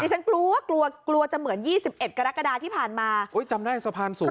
ฉันกลัวกลัวจะเหมือนยี่สิบเอ็ดกรกฎาที่ผ่านมาโอ้ยจำได้สะพานสูง